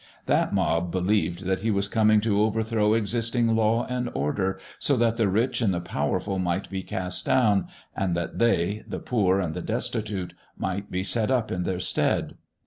That mob believed that He was coming to overthrow existing law and order, so that the rich and the powerful might be cast down, and that they, the poor and the destitute, might be set up in their stead.